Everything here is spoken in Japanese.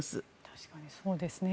確かにそうですね。